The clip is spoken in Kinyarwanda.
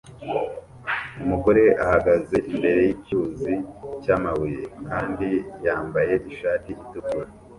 Umugore ahagaze imbere yicyuzi cyamabuye kandi yambaye ishati itukura